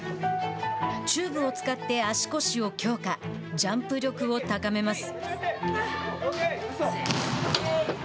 チューブを使って足腰を強化ジャンプ力を高めます。